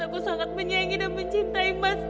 aku sangat menyayangi dan mencintai mas